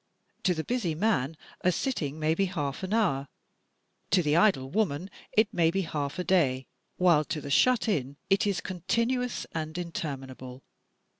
To the busy man a sitting may be a half an hour; to the idle woman it may be half a day; while to the "shut in" it is continuous and interminable.